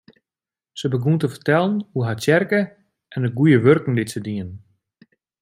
Se begûn te fertellen oer har tsjerke en de goede wurken dy't se dienen.